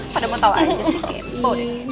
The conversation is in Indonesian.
padahal tau aja sih kepo